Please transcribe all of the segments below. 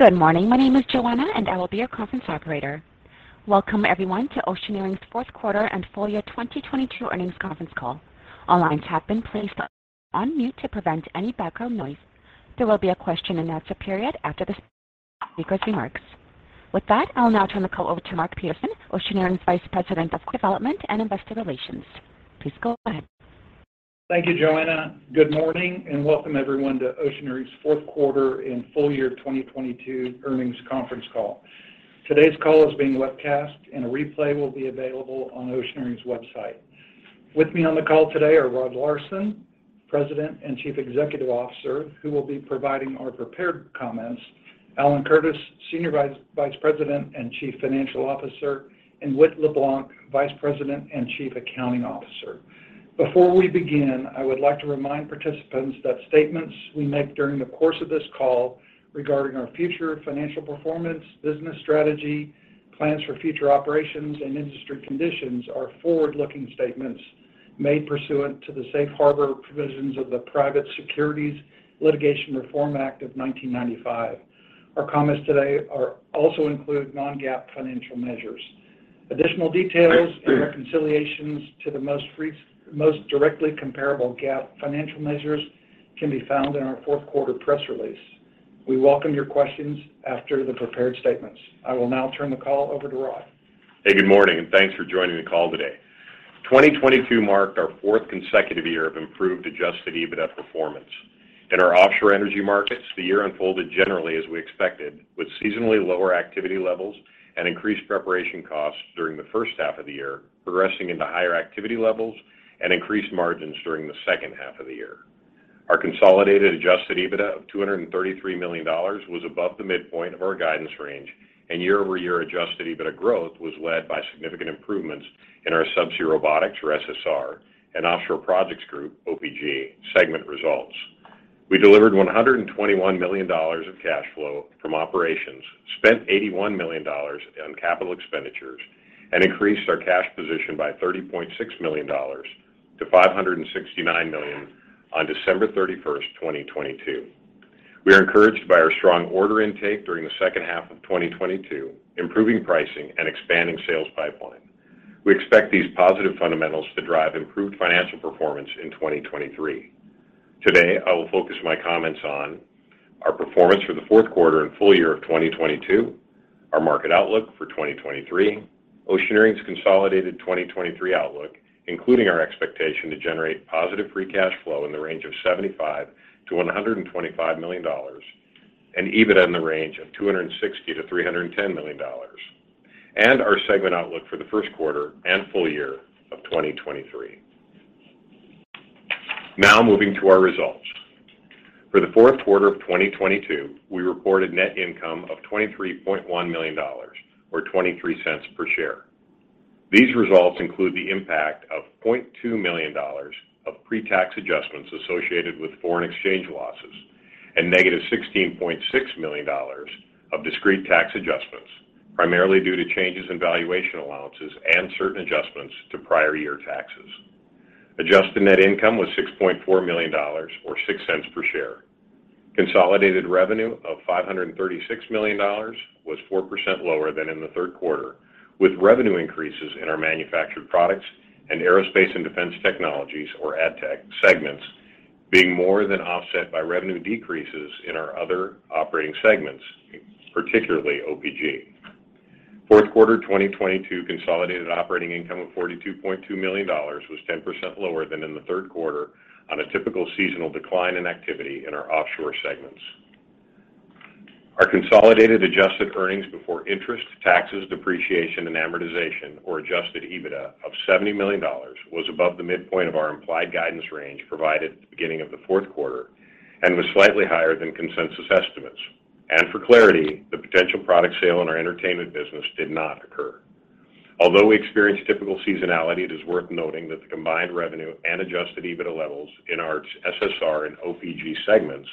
Good morning. My name is Joanna, and I will be your conference operator. Welcome, everyone, to Oceaneering's fourth quarter and full year 2022 earnings conference call. All lines have been placed on mute to prevent any background noise. There will be a question and answer period after the speaker's remarks. With that, I'll now turn the call over to Mark Peterson, Oceaneering's Vice President of Corporate Development and Investor Relations. Please go ahead. Thank you, Joanna. Good morning. Welcome everyone to Oceaneering's fourth quarter and full year 2022 earnings conference call. Today's call is being webcast, and a replay will be available on Oceaneering's website. With me on the call today are Rod Larson, President and Chief Executive Officer, who will be providing our prepared comments, Alan Curtis, Senior Vice President and Chief Financial Officer, and Wit LeBlanc, Vice President and Chief Accounting Officer. Before we begin, I would like to remind participants that statements we make during the course of this call regarding our future financial performance, business strategy, plans for future operations, and industry conditions are forward-looking statements made pursuant to the Safe Harbor provisions of the Private Securities Litigation Reform Act of 1995. Our comments today also include non-GAAP financial measures. Additional details and reconciliations to the most directly comparable GAAP financial measures can be found in our fourth quarter press release. We welcome your questions after the prepared statements. I will now turn the call over to Rod. Hey, good morning, thanks for joining the call today. 2022 marked our fourth consecutive year of improved adjusted EBITDA performance. In our offshore energy markets, the year unfolded generally as we expected, with seasonally lower activity levels and increased preparation costs during the first half of the year, progressing into higher activity levels and increased margins during the second half of the year. Our consolidated adjusted EBITDA of $233 million was above the midpoint of our guidance range. Year-over-year adjusted EBITDA growth was led by significant improvements in our Subsea Robotics, or SSR, and Offshore Projects Group, OPG, segment results. We delivered $121 million of cash flow from operations, spent $81 million on capital expenditures, and increased our cash position by $30.6 million to $569 million on December thirty-first, 2022. We are encouraged by our strong order intake during the second half of 2022, improving pricing and expanding sales pipeline. We expect these positive fundamentals to drive improved financial performance in 2023. Today, I will focus my comments on our performance for the fourth quarter and full year of 2022, our market outlook for 2023, Oceaneering's consolidated 2023 outlook, including our expectation to generate positive free cash flow in the range of $75 million-$125 million and EBITDA in the range of $260 million-$310 million, and our segment outlook for the first quarter and full year of 2023. Moving to our results. For the fourth quarter of 2022, we reported net income of $23.1 million or $0.23 per share. These results include the impact of $0.2 million of pre-tax adjustments associated with foreign exchange losses and negative $16.6 million of discrete tax adjustments, primarily due to changes in valuation allowances and certain adjustments to prior year taxes. Adjusted net income was $6.4 million or $0.06 per share. Consolidated revenue of $536 million was 4% lower than in the third quarter, with revenue increases in our manufactured products and Aerospace and Defense Technologies, or ADTech, segments being more than offset by revenue decreases in our other operating segments, particularly OPG. Fourth quarter 2022 consolidated operating income of $42.2 million was 10% lower than in the third quarter on a typical seasonal decline in activity in our offshore segments. Our consolidated adjusted earnings before interest, taxes, depreciation, and amortization, or adjusted EBITDA, of $70 million was above the midpoint of our implied guidance range provided at the beginning of the fourth quarter and was slightly higher than consensus estimates. For clarity, the potential product sale in our entertainment business did not occur. Although we experienced typical seasonality, it is worth noting that the combined revenue and adjusted EBITDA levels in our SSR and OPG segments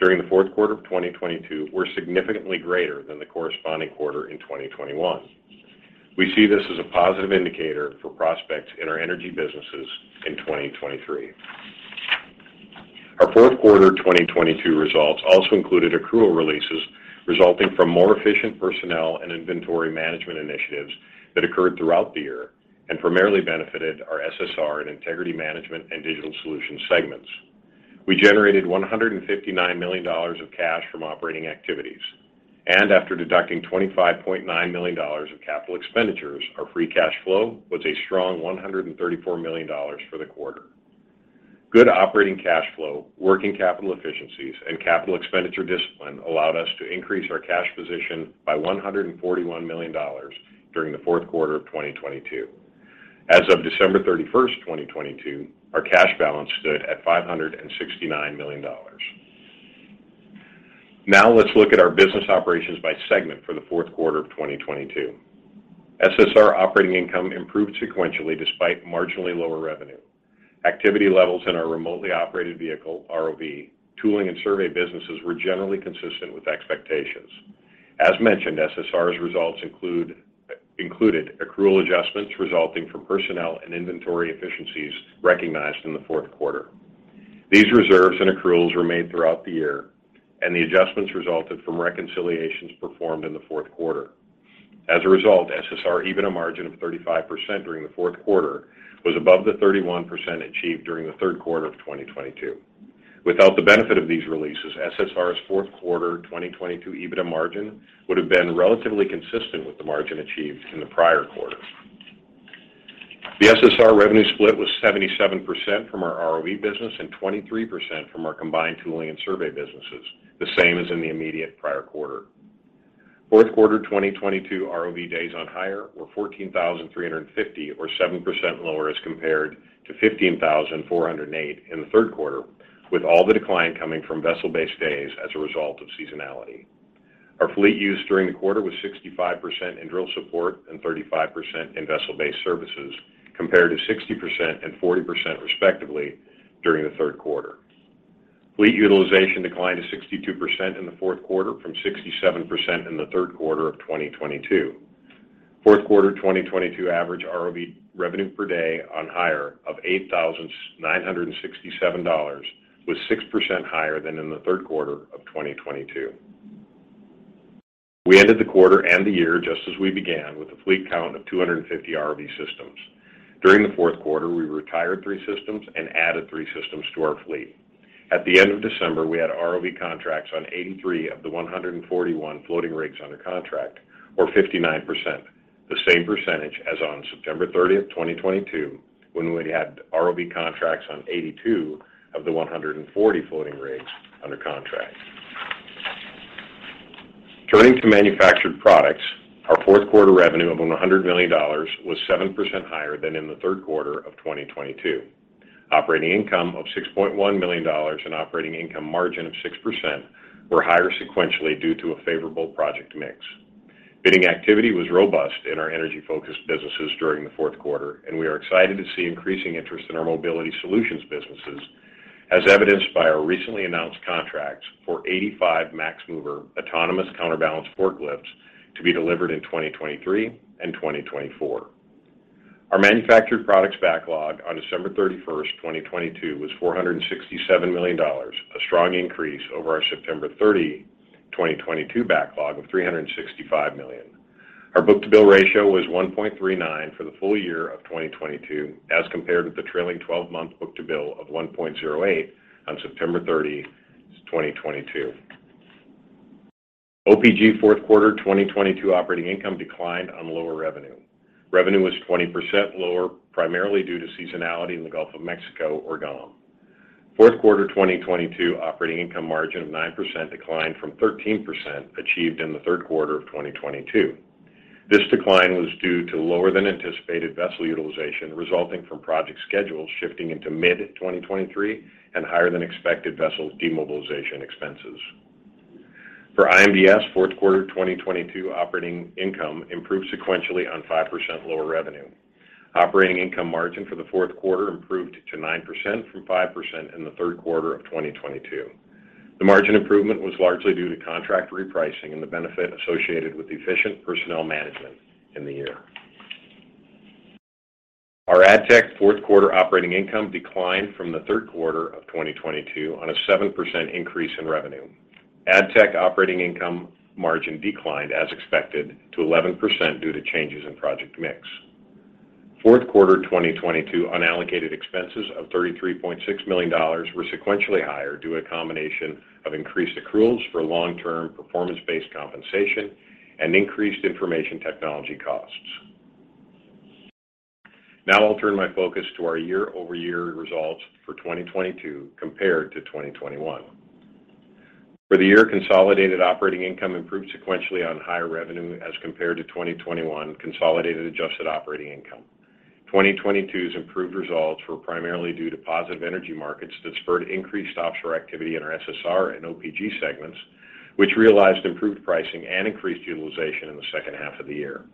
during the fourth quarter of 2022 were significantly greater than the corresponding quarter in 2021. We see this as a positive indicator for prospects in our energy businesses in 2023. Our fourth quarter 2022 results also included accrual releases resulting from more efficient personnel and inventory management initiatives that occurred throughout the year and primarily benefited our SSR and Integrity Management and Digital Solutions segments. We generated $159 million of cash from operating activities. After deducting $25.9 million of capital expenditures, our free cash flow was a strong $134 million for the quarter. Good operating cash flow, working capital efficiencies, and capital expenditure discipline allowed us to increase our cash position by $141 million during the fourth quarter of 2022. As of December 31, 2022, our cash balance stood at $569 million. Let's look at our business operations by segment for the fourth quarter of 2022. SSR operating income improved sequentially despite marginally lower revenue. Activity levels in our remotely operated vehicle, ROV, tooling and survey businesses were generally consistent with expectations. As mentioned, SSR's results included accrual adjustments resulting from personnel and inventory efficiencies recognized in the fourth quarter. These reserves and accruals were made throughout the year, and the adjustments resulted from reconciliations performed in the fourth quarter. As a result, SSR even a margin of 35% during the fourth quarter was above the 31% achieved during the third quarter of 2022. Without the benefit of these releases, SSR's fourth quarter 2022 EBITDA margin would have been relatively consistent with the margin achieved in the prior quarter. The SSR revenue split was 77% from our ROV business and 23% from our combined tooling and survey businesses, the same as in the immediate prior quarter. Fourth quarter 2022 ROV days on hire were 14,350 or 7% lower as compared to 15,408 in the third quarter, with all the decline coming from vessel-based days as a result of seasonality. Our fleet use during the quarter was 65% in drill support and 35% in vessel-based services, compared to 60% and 40% respectively during the third quarter. Fleet utilization declined to 62% in the fourth quarter from 67% in the third quarter of 2022. Fourth quarter 2022 average ROV revenue per day on hire of $8,967 was 6% higher than in the third quarter of 2022. We ended the quarter and the year just as we began with a fleet count of 250 ROV systems. During the fourth quarter, we retired 3 systems and added 3 systems to our fleet. At the end of December, we had ROV contracts on 83 of the 141 floating rigs under contract, or 59%, the same percentage as on September 30th, 2022, when we had ROV contracts on 82 of the 140 floating rigs under contract. Turning to manufactured products, our fourth quarter revenue of $100 million was 7% higher than in the 3rd quarter of 2022. Operating income of $6.1 million and operating income margin of 6% were higher sequentially due to a favorable project mix. Bidding activity was robust in our energy-focused businesses during the fourth quarter, and we are excited to see increasing interest in our mobility solutions businesses, as evidenced by our recently announced contracts for 85 MaxMover autonomous counterbalance forklifts to be delivered in 2023 and 2024. Our manufactured products backlog on December 31, 2022 was $467 million, a strong increase over our September 30, 2022 backlog of $365 million. Our book-to-bill ratio was 1.39 for the full year of 2022, as compared with the trailing 12-month book-to-bill of 1.08 on September 30, 2022. OPG fourth quarter 2022 operating income declined on lower revenue. Revenue was 20% lower, primarily due to seasonality in the Gulf of Mexico, or GOM. Fourth quarter 2022 operating income margin of 9% declined from 13% achieved in the third quarter of 2022. This decline was due to lower-than-anticipated vessel utilization resulting from project schedules shifting into mid 2023 and higher-than-expected vessel demobilization expenses. For IMDS, fourth quarter 2022 operating income improved sequentially on 5% lower revenue. Operating income margin for the fourth quarter improved to 9% from 5% in the third quarter of 2022. The margin improvement was largely due to contract repricing and the benefit associated with efficient personnel management in the year. Our ADTech fourth quarter operating income declined from the third quarter of 2022 on a 7% increase in revenue. ADTech operating income margin declined as expected to 11% due to changes in project mix. Fourth quarter 2022 unallocated expenses of $33.6 million were sequentially higher due to a combination of increased accruals for long-term performance-based compensation and increased information technology costs. I'll turn my focus to our year-over-year results for 2022 compared to 2021. For the year, consolidated operating income improved sequentially on higher revenue as compared to 2021 consolidated adjusted operating income. 2022's improved results were primarily due to positive energy markets that spurred increased offshore activity in our SSR and OPG segments, which realized improved pricing and increased utilization in the second half of the year.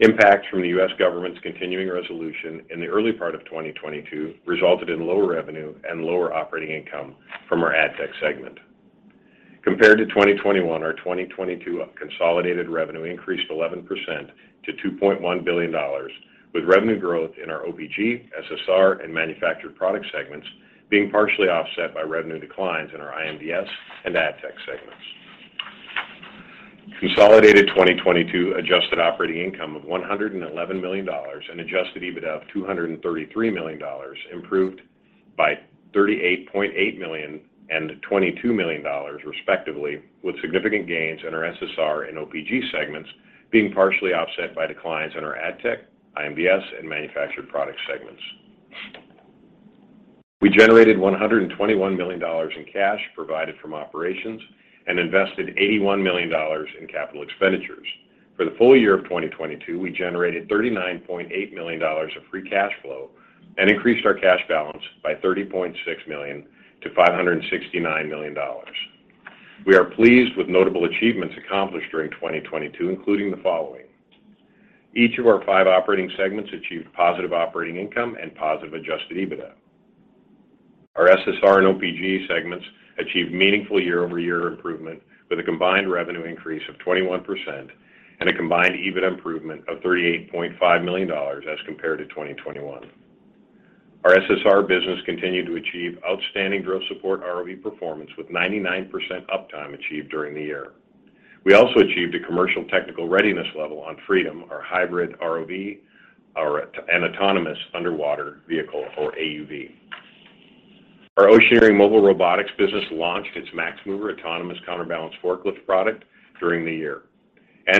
Impacts from the U.S. government's continuing resolution in the early part of 2022 resulted in lower revenue and lower operating income from our ADTech segment. Compared to 2021, our 2022 consolidated revenue increased 11% to $2.1 billion, with revenue growth in our OPG, SSR, and manufactured product segments being partially offset by revenue declines in our IMDS and ADTech segments. Consolidated 2022 adjusted operating income of $111 million and adjusted EBITDA of $233 million improved by $38.8 million and $22 million, respectively, with significant gains in our SSR and OPG segments being partially offset by declines in our ADTech, IMDS, and manufactured product segments. We generated $121 million in cash provided from operations and invested $81 million in CapEx. For the full year of 2022, we generated $39.8 million of free cash flow and increased our cash balance by $30.6 million to $569 million. We are pleased with notable achievements accomplished during 2022, including the following. Each of our 5 operating segments achieved positive operating income and positive adjusted EBITDA. Our SSR and OPG segments achieved meaningful year-over-year improvement with a combined revenue increase of 21% and a combined EBIT improvement of $38.5 million as compared to 2021. Our SSR business continued to achieve outstanding drill support ROV performance with 99% uptime achieved during the year. We also achieved a commercial technical readiness level on Freedom, our hybrid ROV, and autonomous underwater vehicle or AUV. Our Oceaneering Mobile Robotics business launched its MaxMover autonomous counterbalance forklift product during the year.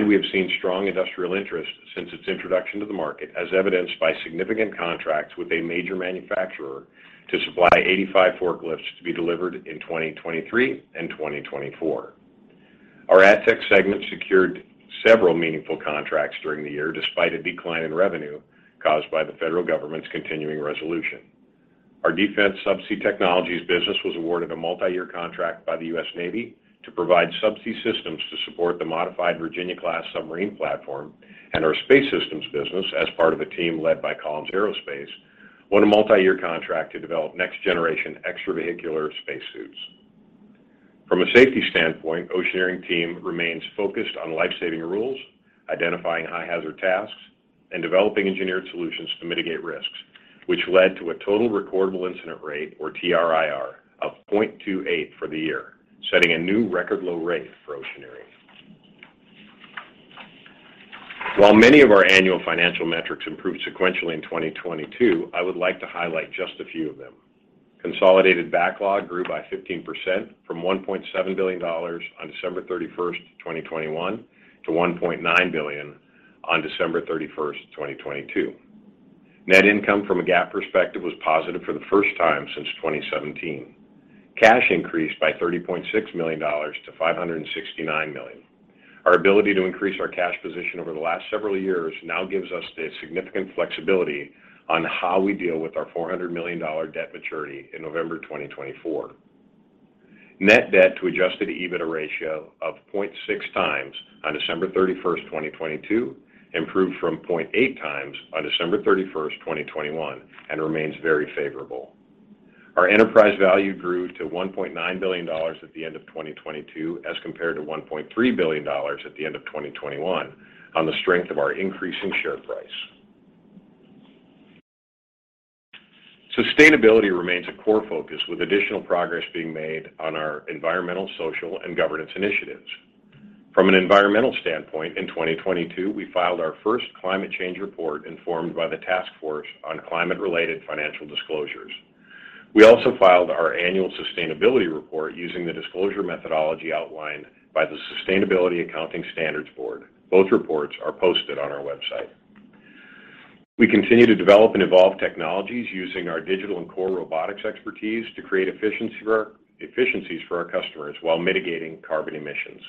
We have seen strong industrial interest since its introduction to the market as evidenced by significant contracts with a major manufacturer to supply 85 forklifts to be delivered in 2023 and 2024. Our ADTech segment secured several meaningful contracts during the year, despite a decline in revenue caused by the federal government's continuing resolution. Our Defense Subsea Technologies business was awarded a multi-year contract by the US Navy to provide subsea systems to support the modified Virginia-class submarine platform and our space systems business as part of a team led by Collins Aerospace, won a multi-year contract to develop next generation extravehicular spacesuits. From a safety standpoint, Oceaneering team remains focused on life-saving rules, identifying high-hazard tasks, and developing engineered solutions to mitigate risks, which led to a total recordable incident rate or TRIR of 0.28 for the year, setting a new record low rate for Oceaneering. While many of our annual financial metrics improved sequentially in 2022, I would like to highlight just a few of them. Consolidated backlog grew by 15% from $1.7 billion on December 31st, 2021 to $1.9 billion on December 31st, 2022. Net income from a GAAP perspective was positive for the first time since 2017. Cash increased by $30.6 million to $569 million. Our ability to increase our cash position over the last several years now gives us the significant flexibility on how we deal with our $400 million debt maturity in November 2024. Net debt to adjusted EBITDA ratio of 0.6 times on December 31, 2022, improved from 0.8 times on December 31, 2021, and remains very favorable. Our enterprise value grew to $1.9 billion at the end of 2022, as compared to $1.3 billion at the end of 2021 on the strength of our increasing share price. Sustainability remains a core focus, with additional progress being made on our environmental, social, and governance initiatives. From an environmental standpoint, in 2022, we filed our first climate change report informed by the Task Force on Climate-related Financial Disclosures. We also filed our annual sustainability report using the disclosure methodology outlined by the Sustainability Accounting Standards Board. Both reports are posted on our website. We continue to develop and evolve technologies using our digital and core robotics expertise to create efficiencies for our customers while mitigating carbon emissions.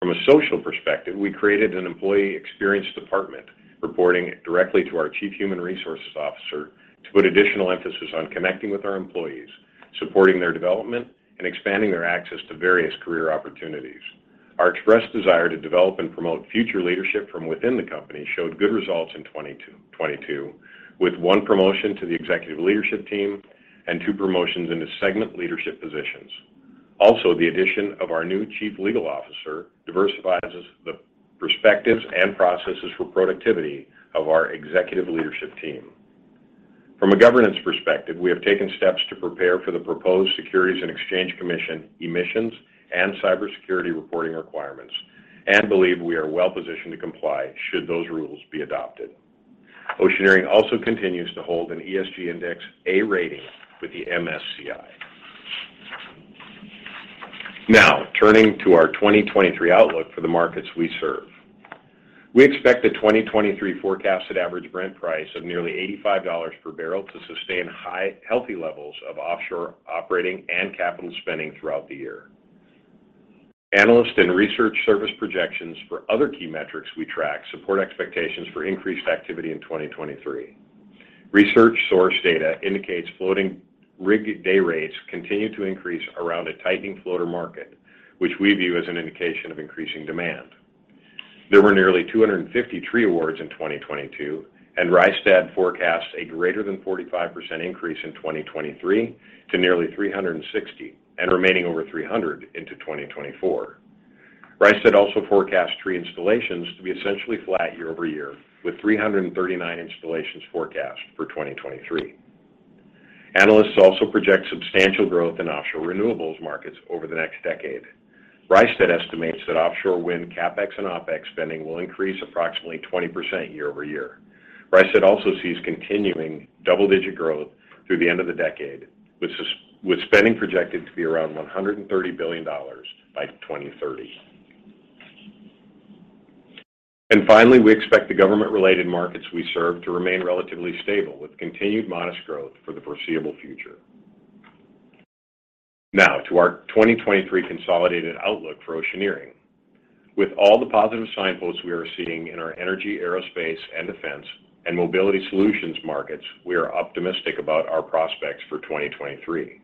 From a social perspective, we created an employee experience department reporting directly to our chief human resources officer to put additional emphasis on connecting with our employees, supporting their development, and expanding their access to various career opportunities. Our expressed desire to develop and promote future leadership from within the company showed good results in 2022, with one promotion to the executive leadership team and two promotions into segment leadership positions. The addition of our new chief legal officer diversifies the perspectives and processes for productivity of our executive leadership team. From a governance perspective, we have taken steps to prepare for the proposed Securities and Exchange Commission emissions and cybersecurity reporting requirements and believe we are well-positioned to comply should those rules be adopted. Oceaneering also continues to hold an ESG Index A rating with the MSCI. Turning to our 2023 outlook for the markets we serve. We expect the 2023 forecasted average Brent price of nearly $85 per barrel to sustain high, healthy levels of offshore operating and capital spending throughout the year. Analyst and research service projections for other key metrics we track support expectations for increased activity in 2023. Research source data indicates floating rig day rates continue to increase around a tightening floater market, which we view as an indication of increasing demand. There were nearly 250 tree awards in 2022, and Rystad forecasts a greater than 45% increase in 2023 to nearly 360 and remaining over 300 into 2024. Rystad also forecasts tree installations to be essentially flat year-over-year, with 339 installations forecast for 2023. Analysts also project substantial growth in offshore renewables markets over the next decade. Rystad estimates that offshore wind CapEx and OpEx spending will increase approximately 20% year-over-year. Rystad also sees continuing double-digit growth through the end of the decade, with spending projected to be around $130 billion by 2030. Finally, we expect the government-related markets we serve to remain relatively stable, with continued modest growth for the foreseeable future. Now to our 2023 consolidated outlook for Oceaneering. With all the positive signposts we are seeing in our energy, aerospace and defense, and mobility solutions markets, we are optimistic about our prospects for 2023.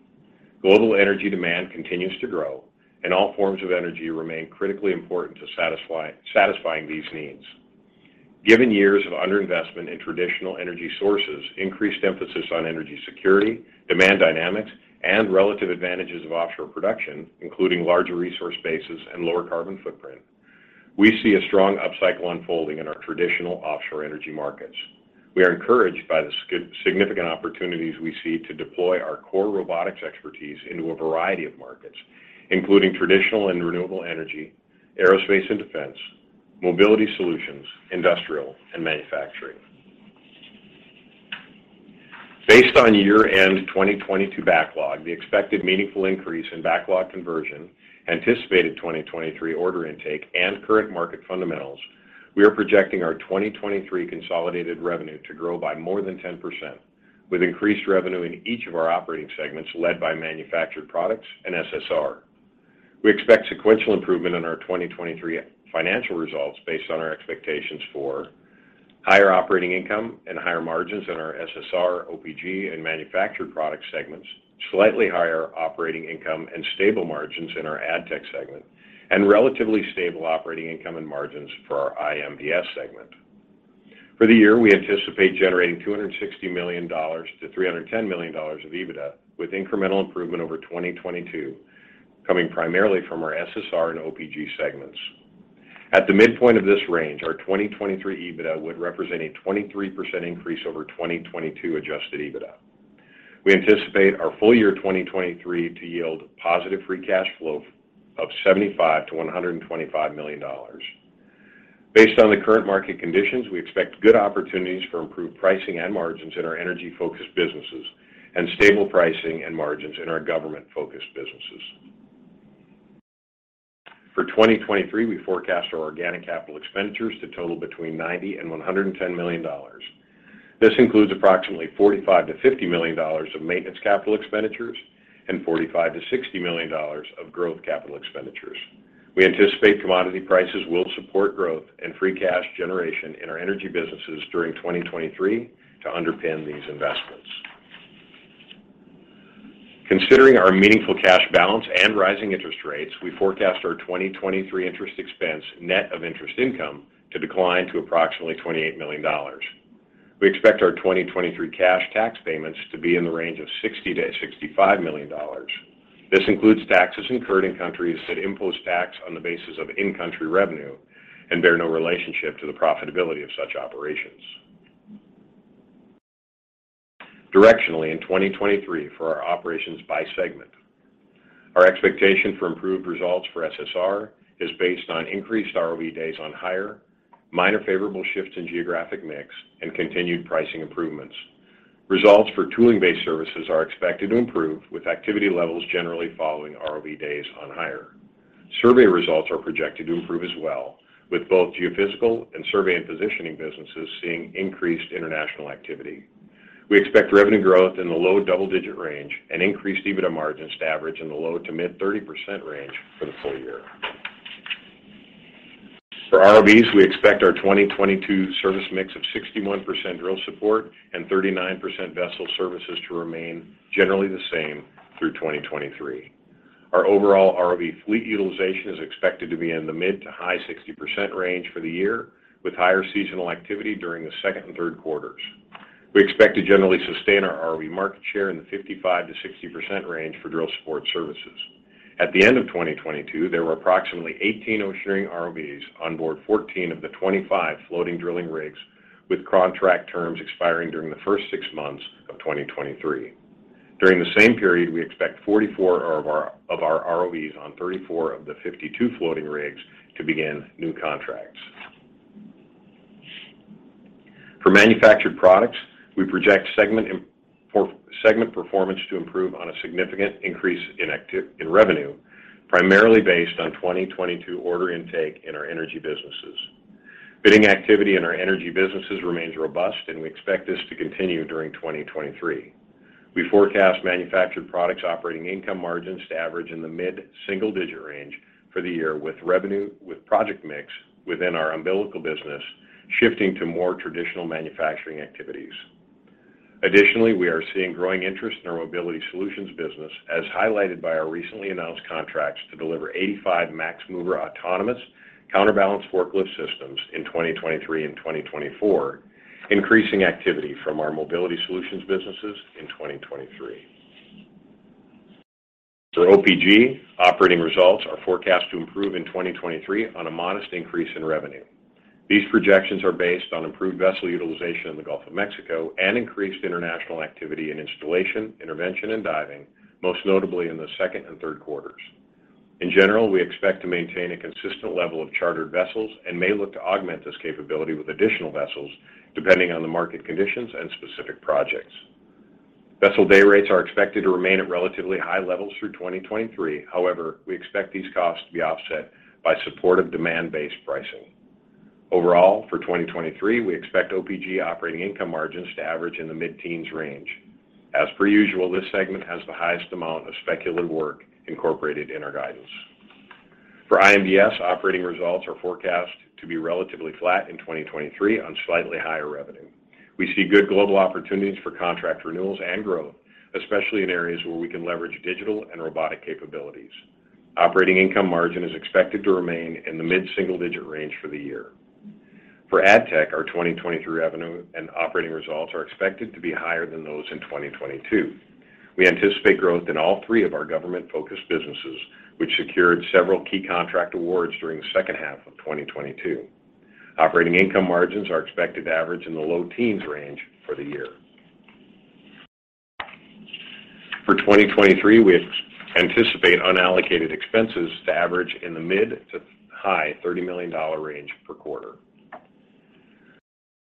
Global energy demand continues to grow, and all forms of energy remain critically important to satisfying these needs. Given years of underinvestment in traditional energy sources, increased emphasis on energy security, demand dynamics, and relative advantages of offshore production, including larger resource bases and lower carbon footprint. We see a strong upcycle unfolding in our traditional offshore energy markets. We are encouraged by the significant opportunities we see to deploy our core robotics expertise into a variety of markets, including traditional and renewable energy, aerospace and defense, mobility solutions, industrial, and manufacturing. Based on year-end 2022 backlog, the expected meaningful increase in backlog conversion, anticipated 2023 order intake, and current market fundamentals, we are projecting our 2023 consolidated revenue to grow by more than 10%, with increased revenue in each of our operating segments led by manufactured products and SSR. We expect sequential improvement in our 2023 financial results based on our expectations for higher operating income and higher margins in our SSR, OPG, and manufactured product segments, slightly higher operating income and stable margins in our ADTech segment, and relatively stable operating income and margins for our IMDS segment. For the year, we anticipate generating $260 million-$310 million of EBITDA, with incremental improvement over 2022 coming primarily from our SSR and OPG segments. At the midpoint of this range, our 2023 EBITDA would represent a 23% increase over 2022 adjusted EBITDA. We anticipate our full-year 2023 to yield positive free cash flow of $75 million-$125 million. Based on the current market conditions, we expect good opportunities for improved pricing and margins in our energy-focused businesses and stable pricing and margins in our government-focused businesses. For 2023, we forecast our organic capital expenditures to total between $90 million and $110 million. This includes approximately $45 million-$50 million of maintenance capital expenditures and $45 million-$60 million of growth capital expenditures. We anticipate commodity prices will support growth and free cash generation in our energy businesses during 2023 to underpin these investments. Considering our meaningful cash balance and rising interest rates, we forecast our 2023 interest expense net of interest income to decline to approximately $28 million. We expect our 2023 cash tax payments to be in the range of $60 million-$65 million. This includes taxes incurred in countries that impose tax on the basis of in-country revenue and bear no relationship to the profitability of such operations. Directionally, in 2023 for our operations by segment, our expectation for improved results for SSR is based on increased ROV days on hire, minor favorable shifts in geographic mix, and continued pricing improvements. Results for tooling-based services are expected to improve with activity levels generally following ROV days on hire. Survey results are projected to improve as well, with both geophysical and survey and positioning businesses seeing increased international activity. We expect revenue growth in the low double-digit range and increased EBITDA margins to average in the low to mid 30% range for the full year. For ROVs, we expect our 2022 service mix of 61% drill support and 39% vessel services to remain generally the same through 2023. Our overall ROV fleet utilization is expected to be in the mid to high 60% range for the year, with higher seasonal activity during the second and third quarters. We expect to generally sustain our ROV market share in the 55%-60% range for drill support services. At the end of 2022, there were approximately 18 Oceaneering ROVs on board 14 of the 25 floating drilling rigs, with contract terms expiring during the 1st 6 months of 2023. During the same period, we expect 44 of our ROVs on 34 of the 52 floating rigs to begin new contracts. For manufactured products, we project segment performance to improve on a significant increase in revenue, primarily based on 2022 order intake in our energy businesses. Bidding activity in our energy businesses remains robust, and we expect this to continue during 2023. We forecast manufactured products operating income margins to average in the mid-single-digit range for the year, with revenue with project mix within our umbilical business shifting to more traditional manufacturing activities. Additionally, we are seeing growing interest in our mobility solutions business, as highlighted by our recently announced contracts to deliver 85 MaxMover autonomous counterbalance forklift systems in 2023 and 2024, increasing activity from our mobility solutions businesses in 2023. For OPG, operating results are forecast to improve in 2023 on a modest increase in revenue. These projections are based on improved vessel utilization in the Gulf of Mexico and increased international activity in installation, intervention, and diving, most notably in the second and third quarters. In general, we expect to maintain a consistent level of chartered vessels and may look to augment this capability with additional vessels, depending on the market conditions and specific projects. Vessel day rates are expected to remain at relatively high levels through 2023. We expect these costs to be offset by supportive demand-based pricing. Overall, for 2023, we expect OPG operating income margins to average in the mid-teens range. As per usual, this segment has the highest amount of speculative work incorporated in our guidance. For IMDS, operating results are forecast to be relatively flat in 2023 on slightly higher revenue. We see good global opportunities for contract renewals and growth, especially in areas where we can leverage digital and robotic capabilities. Operating income margin is expected to remain in the mid-single-digit range for the year. For ADTech, our 2023 revenue and operating results are expected to be higher than those in 2022. We anticipate growth in all 3 of our government-focused businesses, which secured several key contract awards during the second half of 2022. Operating income margins are expected to average in the low teens range for the year. For 2023, we anticipate unallocated expenses to average in the mid to high $30 million range per quarter.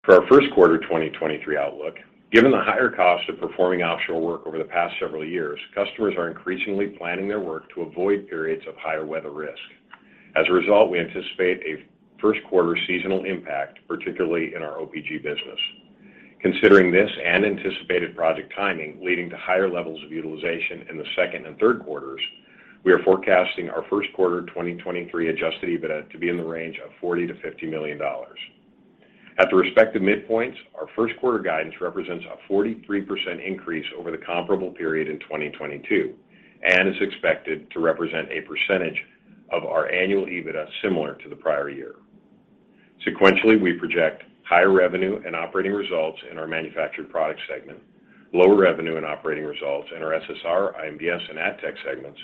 For our first quarter 2023 outlook, given the higher cost of performing offshore work over the past several years, customers are increasingly planning their work to avoid periods of higher weather risk. As a result, we anticipate a first quarter seasonal impact, particularly in our OPG business. Considering this and anticipated project timing leading to higher levels of utilization in the second and third quarters, we are forecasting our first quarter 2023 adjusted EBITDA to be in the range of $40 million-$50 million. At the respective midpoints, our first quarter guidance represents a 43% increase over the comparable period in 2022 and is expected to represent a percentage of our annual EBITDA similar to the prior year. Sequentially, we project higher revenue and operating results in our manufactured product segment, lower revenue and operating results in our SSR, IMDS, and ADTech segments,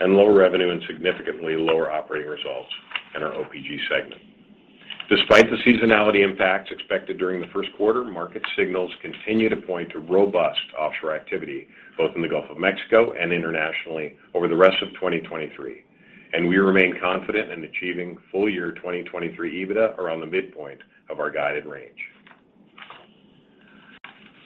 and lower revenue and significantly lower operating results in our OPG segment. Despite the seasonality impacts expected during the first quarter, market signals continue to point to robust offshore activity, both in the Gulf of Mexico and internationally over the rest of 2023, and we remain confident in achieving full year 2023 EBITDA around the midpoint of our guided range.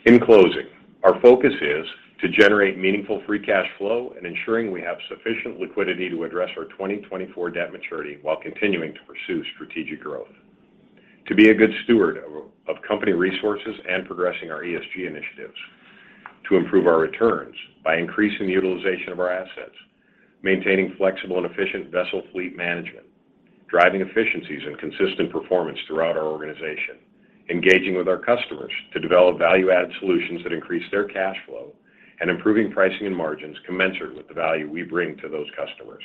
In closing, our focus is to generate meaningful free cash flow and ensuring we have sufficient liquidity to address our 2024 debt maturity while continuing to pursue strategic growth. To be a good steward of company resources and progressing our ESG initiatives. To improve our returns by increasing the utilization of our assets, maintaining flexible and efficient vessel fleet management, driving efficiencies and consistent performance throughout our organization, engaging with our customers to develop value-added solutions that increase their cash flow, and improving pricing and margins commensurate with the value we bring to those customers,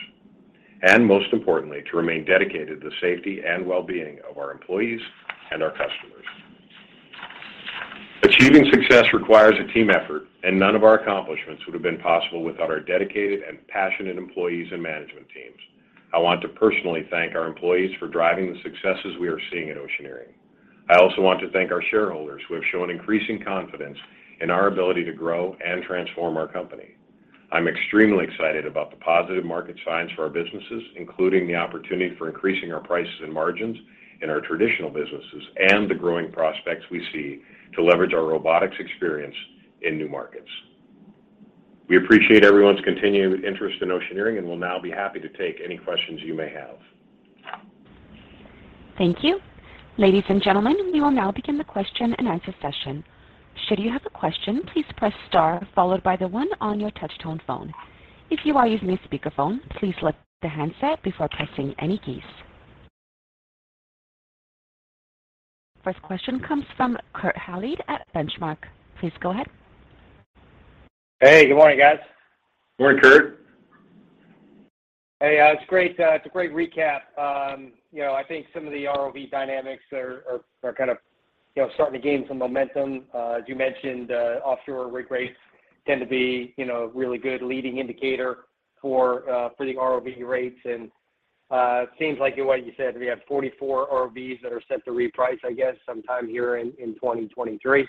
and most importantly, to remain dedicated to the safety and well-being of our employees and our customers. Achieving success requires a team effort, and none of our accomplishments would have been possible without our dedicated and passionate employees and management teams. I want to personally thank our employees for driving the successes we are seeing at Oceaneering. I also want to thank our shareholders who have shown increasing confidence in our ability to grow and transform our company. I'm extremely excited about the positive market signs for our businesses, including the opportunity for increasing our prices and margins in our traditional businesses and the growing prospects we see to leverage our robotics experience in new markets. We appreciate everyone's continued interest in Oceaneering and will now be happy to take any questions you may have. Thank you. Ladies and gentlemen, we will now begin the question-and-answer session. Should you have a question, please press star followed by the 1 on your touch-tone phone. If you are using a speakerphone, please let the handset before pressing any keys. First question comes from Kurt Hallead at Benchmark. Please go ahead. Hey, good morning, guys. Good morning, Kurt. Hey, it's great, it's a great recap. You know, I think some of the ROV dynamics are kind of, you know, starting to gain some momentum. As you mentioned, offshore rig rates tend to be, you know, a really good leading indicator for predicting ROV rates. It seems like what you said, we have 44 ROVs that are set to reprice, I guess, sometime here in 2023.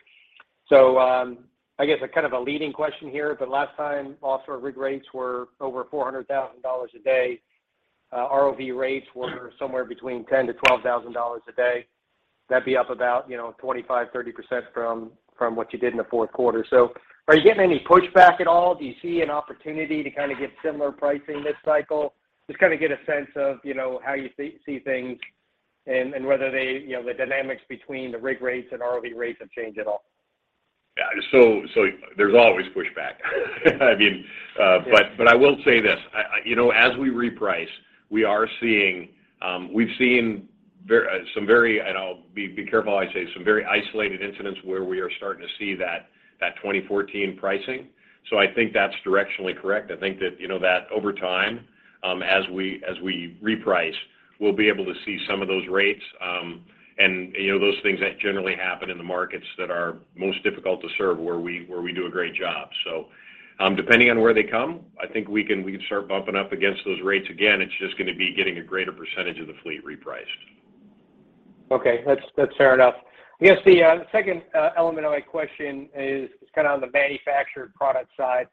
I guess a kind of a leading question here, last time offshore rig rates were over $400,000 a day, ROV rates were somewhere between $10,000-$12,000 a day. That'd be up about, you know, 25%-30% from what you did in the fourth quarter. Are you getting any pushback at all? Do you see an opportunity to kind of get similar pricing this cycle? Just kind of get a sense of, you know, how you see things and whether they, you know, the dynamics between the rig rates and ROV rates have changed at all. Yeah. There's always pushback. I mean, I will say this, you know, as we reprice, we are seeing, we've seen some very, and I'll be careful how I say, some very isolated incidents where we are starting to see that 2014 pricing. I think that's directionally correct. I think that, you know, that over time, as we reprice, we'll be able to see some of those rates, and, you know, those things that generally happen in the markets that are most difficult to serve where we do a great job. Depending on where they come, I think we can start bumping up against those rates again. It's just gonna be getting a greater percentage of the fleet repriced. Okay. That's fair enough. I guess the second element of my question is kind of on the manufactured product side.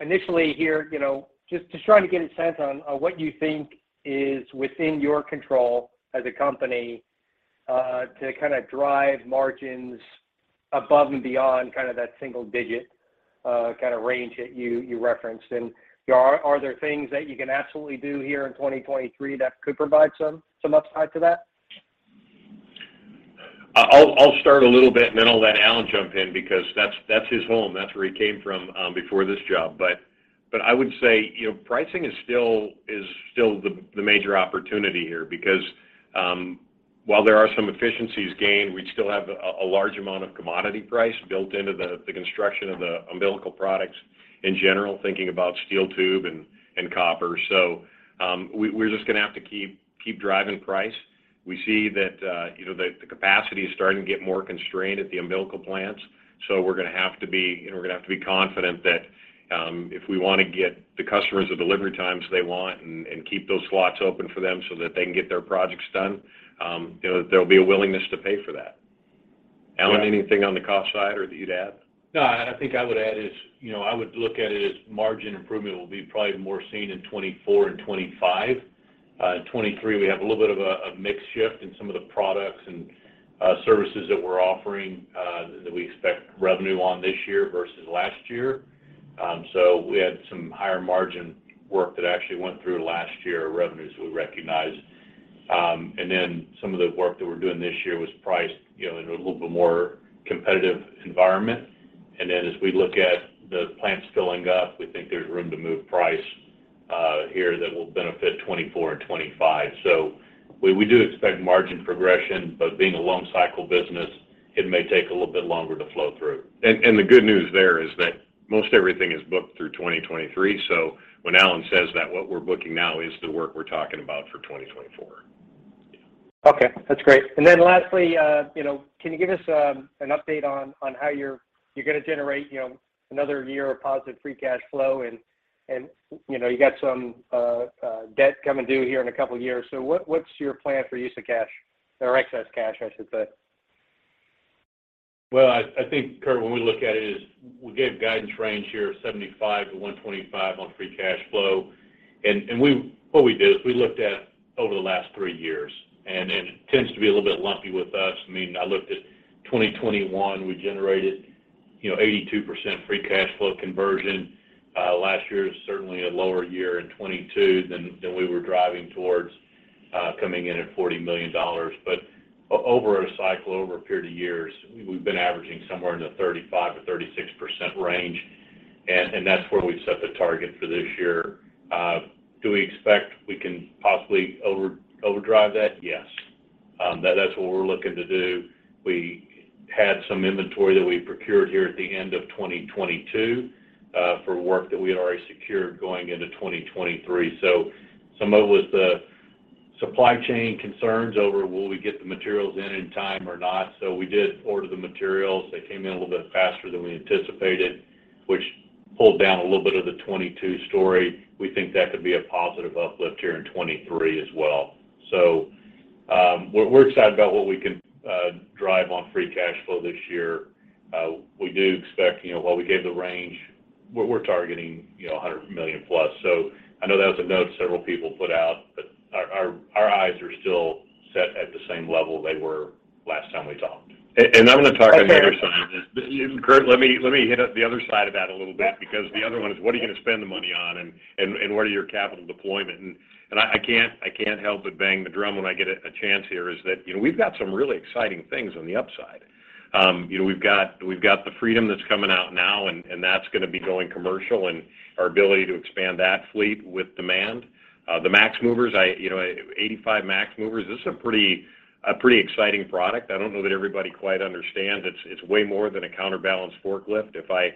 Initially here, you know, just trying to get a sense on what you think is within your control as a company to kind of drive margins above and beyond kind of that single digit kind of range that you referenced. You know, are there things that you can absolutely do here in 2023 that could provide some upside to that? I'll start a little bit, and then I'll let Alan jump in because that's his home. That's where he came from before this job. I would say, you know, pricing is still the major opportunity here because while there are some efficiencies gained, we still have a large amount of commodity price built into the construction of the umbilical products. In general, thinking about steel tube and copper. We're just gonna have to keep driving price. We see that, you know, the capacity is starting to get more constrained at the umbilical plants, we're gonna have to be confident that, if we wanna get the customers the delivery times they want and keep those slots open for them so that they can get their projects done, you know, there'll be a willingness to pay for that. Yeah. Alan, anything on the cost side or that you'd add? No, I think I would add is, you know, I would look at it as margin improvement will be probably more seen in 2024 and 2025. In 2023 we have a little bit of a mix shift in some of the products and services that we're offering that we expect revenue on this year versus last year. We had some higher margin work that actually went through last year revenues we recognized. Some of the work that we're doing this year was priced, you know, in a little bit more competitive environment. As we look at the plants filling up, we think there's room to move price here that will benefit 2024 and 2025. We, we do expect margin progression, but being a long cycle business, it may take a little bit longer to flow through. The good news there is that most everything is booked through 2023. When Alan says that, what we're booking now is the work we're talking about for 2024. Yeah. Okay. That's great. Then lastly, you know, can you give us an update on how you're gonna generate, you know, another year of positive free cash flow and, you know, you got some debt coming due here in a couple years. What's your plan for use of cash or excess cash, I should say? Well, I think, Kurt, when we look at it is we gave guidance range here of $75 million-$125 million on free cash flow. What we did is we looked at over the last 3 years, it tends to be a little bit lumpy with us. I mean, I looked at 2021, we generated, you know, 82% free cash flow conversion. Last year was certainly a lower year in '22 than we were driving towards, coming in at $40 million. Over a cycle, over a period of years, we've been averaging somewhere in the 35%-36% range, and that's where we've set the target for this year. Do we expect we can possibly overdrive that? Yes. That's what we're looking to do. We had some inventory that we procured here at the end of 2022 for work that we had already secured going into 2023. Some of it was the supply chain concerns over will we get the materials in in time or not. We did order the materials. They came in a little bit faster than we anticipated, which pulled down a little bit of the '22 story. We think that could be a positive uplift here in '23 as well. We're excited about what we can drive on free cash flow this year. We do expect, you know, while we gave the range, we're targeting, you know, $100 million plus. I know that was a note several people put out, but our, our eyes are still set at the same level they were last time we talked. I'm gonna talk on the other side of this. Okay. Kurt, let me hit the other side of that a little bit because the other one is what are you gonna spend the money on and what are your capital deployment? I can't help but bang the drum when I get a chance here, is that, you know, we've got some really exciting things on the upside. you know, we've got the Freedom that's coming out now and that's gonna be going commercial and our ability to expand that fleet with demand. the Max Movers, you know, 85 Max Movers, this is a pretty exciting product. I don't know that everybody quite understands. It's way more than a counterbalance forklift. If I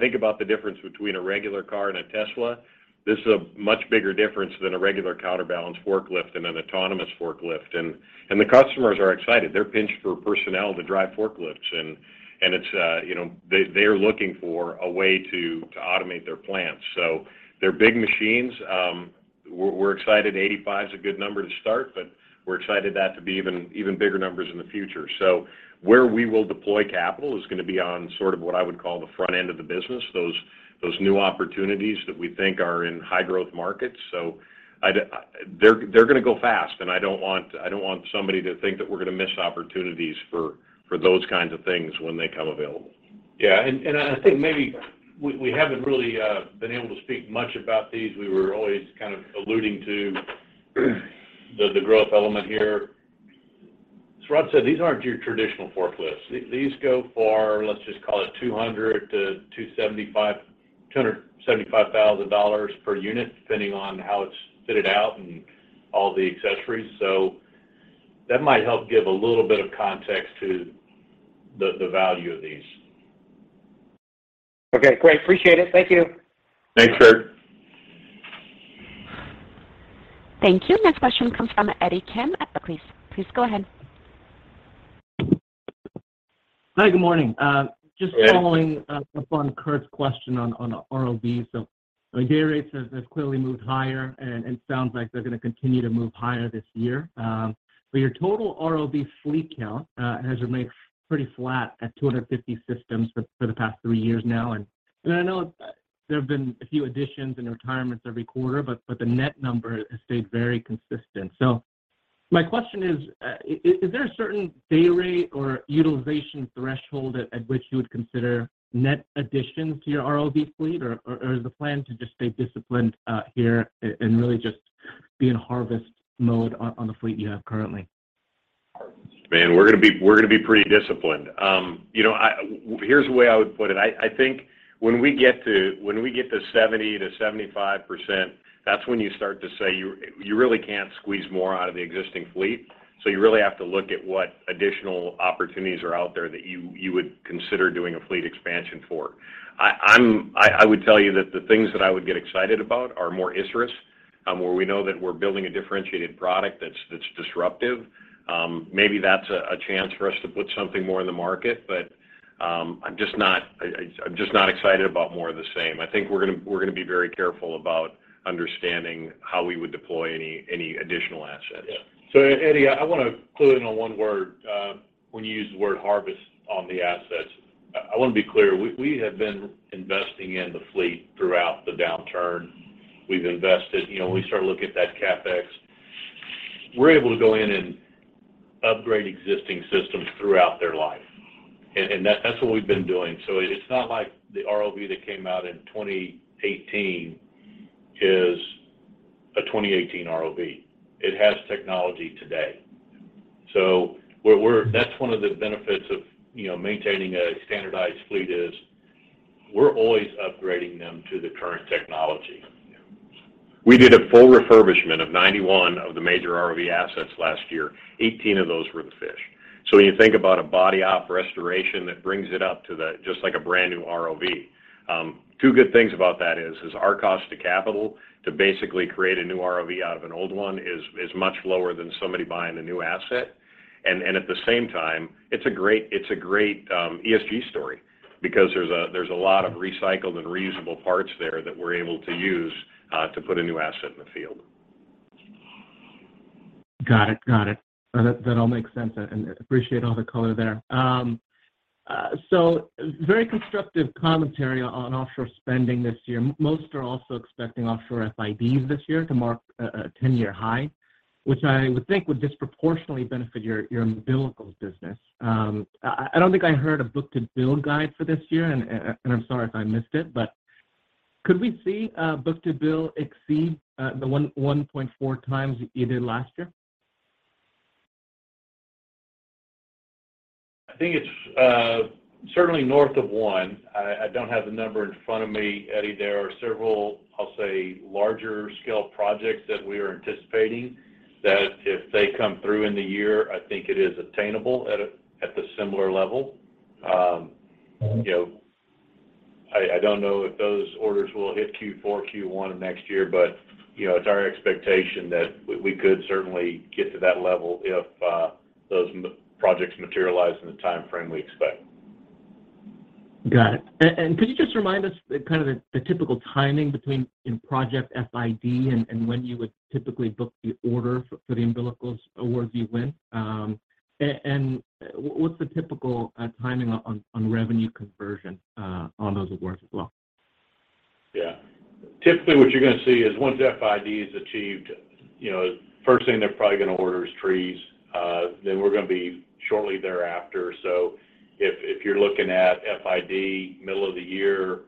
think about the difference between a regular car and a Tesla, this is a much bigger difference than a regular counterbalance forklift and an autonomous forklift. The customers are excited. They're pinched for personnel to drive forklifts and it's, you know, they're looking for a way to automate their plants. They're big machines. We're excited 85 is a good number to start, but we're excited that to be even bigger numbers in the future. Where we will deploy capital is gonna be on sort of what I would call the front end of the business, those new opportunities that we think are in high growth markets. They're gonna go fast and I don't want somebody to think that we're gonna miss opportunities for those kinds of things when they come available. Yeah. I think maybe we haven't really been able to speak much about these. We were always kind of alluding to the growth element here. Rod said these aren't your traditional forklifts. These go for, let's just call it $200 to $275,000 per unit, depending on how it's fitted out and all the accessories. That might help give a little bit of context to the value of these. Okay, great. Appreciate it. Thank you. Thanks, Kurt. Thank you. Next question comes from Eddie Kim at Barclays. Please go ahead. Hi, good morning. Yeah. Just following up on Kurt's question on ROV. Day rates have clearly moved higher and sounds like they're gonna continue to move higher this year. Your total ROV fleet count has remained pretty flat at 250 systems for the past 3 years now. I know there have been a few additions and retirements every quarter, but the net number has stayed very consistent. My question is there a certain day rate or utilization threshold at which you would consider net additions to your ROV fleet, or is the plan to just stay disciplined here and really just be in harvest mode on the fleet you have currently? Man, we're gonna be pretty disciplined. you know, Here's the way I would put it. I think when we get to 70%-75%, that's when you start to say you really can't squeeze more out of the existing fleet. You really have to look at what additional opportunities are out there that you would consider doing a fleet expansion for. I would tell you that the things that I would get excited about are more ISRS. where we know that we're building a differentiated product that's disruptive, maybe that's a chance for us to put something more in the market. I'm just not excited about more of the same. I think we're gonna be very careful about understanding how we would deploy any additional assets. Yeah, Eddie, I wanna clue in on one word when you use the word harvest on the assets. I wanna be clear. We have been investing in the fleet throughout the downturn. We've invested. You know, when we start to look at that CapEx, we're able to go in and upgrade existing systems throughout their life. That's what we've been doing. It's not like the ROV that came out in 2018 is a 2018 ROV. It has technology today. That's one of the benefits of, you know, maintaining a standardized fleet is we're always upgrading them to the current technology. Yeah. We did a full refurbishment of 91 of the major ROV assets last year. 18 of those were the fish. When you think about a body op restoration, that brings it up to just like a brand new ROV. Two good things about that is our cost to capital to basically create a new ROV out of an old one is much lower than somebody buying a new asset. At the same time, it's a great ESG story because there's a lot of recycled and reasonable parts there that we're able to use to put a new asset in the field. Got it. That all makes sense, and appreciate all the color there. Very constructive commentary on offshore spending this year. Most are also expecting offshore FIDs this year to mark a 10-year high, which I would think would disproportionately benefit your umbilicals business. I don't think I heard a book-to-bill guide for this year, and I'm sorry if I missed it, but could we see book-to-bill exceed the 1.4 times it did last year? I think it's certainly north of 1. I don't have the number in front of me, Eddie. There are several, I'll say, larger scale projects that we are anticipating that if they come through in the year, I think it is attainable at the similar level. You know, I don't know if those orders will hit Q4, Q1 of next year. You know, it's our expectation that we could certainly get to that level if those projects materialize in the timeframe we expect. Got it. And could you just remind us kind of the typical timing between project FID and when you would typically book the order for the umbilicals awards you win? What's the typical timing on revenue conversion on those awards as well? Yeah. Typically, what you're gonna see is once FID is achieved, you know, first thing they're probably gonna order is trees. Then we're gonna be shortly thereafter. If you're looking at FID middle of the year,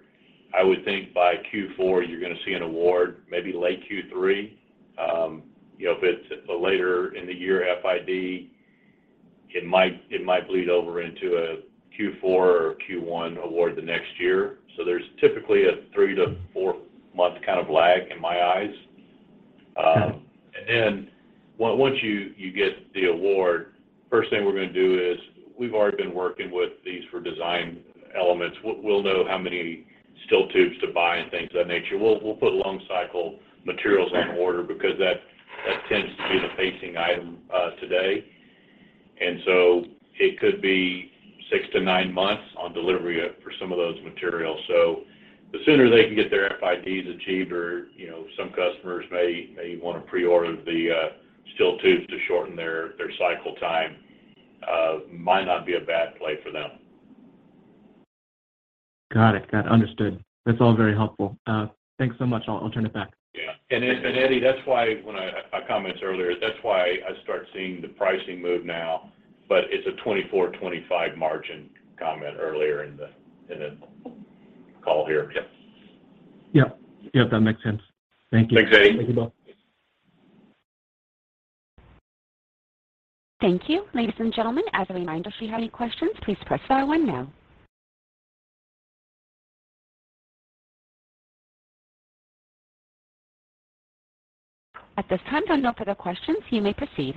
I would think by Q4, you're gonna see an award maybe late Q3. You know, if it's a later in the year FID, it might bleed over into a Q4 or Q1 award the next year. There's typically a 3-4 month kind of lag in my eyes. And then once you get the award, first thing we're gonna do is we've already been working with these for design elements. We'll know how many steel tubes to buy and things of that nature. We'll put long cycle materials on order because that tends to be the pacing item today. It could be 6 to 9 months on delivery for some of those materials. The sooner they can get their FIDs achieved or, you know, some customers may wanna pre-order the steel tubes to shorten their cycle time, might not be a bad play for them. Got it. Understood. That's all very helpful. Thanks so much. I'll turn it back. Yeah. Eddie, that's why when my comments earlier, that's why I start seeing the pricing move now, it's a 24%-25% margin comment earlier in the call here. Yeah. Yeah. Yeah, that makes sense. Thank you. Thanks, Eddie. Thank you both. Thank you. Ladies and gentlemen, as a reminder, if you have any questions, please press star one now. At this time, there are no further questions. You may proceed.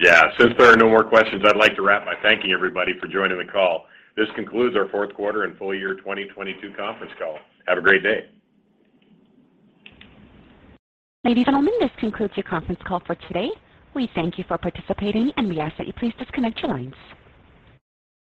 Yeah. Since there are no more questions, I'd like to wrap by thanking everybody for joining the call. This concludes our fourth quarter and full year 2022 conference call. Have a great day. Ladies and gentlemen, this concludes your conference call for today. We thank you for participating, and we ask that you please disconnect your lines.